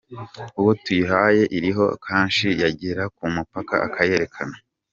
Uwo tuyihaye iriho kashi yagera ku mupaka akayerekana.